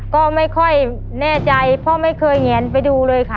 ก็ไม่ค่อยแน่ใจเพราะไม่เคยแงนไปดูเลยค่ะ